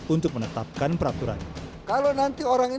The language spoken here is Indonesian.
untuk menetapkan peraturan